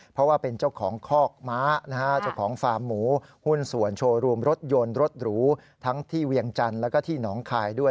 เพราะว่าเป็นเจ้าของคอกม้านะฮะเจ้าของฟาร์มหมูหุ้นส่วนโชว์รูมรถยนต์รถหรูทั้งที่เวียงจันทร์แล้วก็ที่หนองคายด้วย